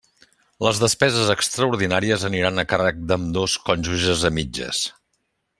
Les despeses extraordinàries aniran a càrrec d'ambdós cònjuges a mitges.